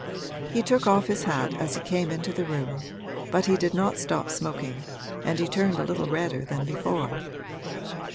He took off his hat as he came into the room, but he did not stop smoking and he turned a little redder than before.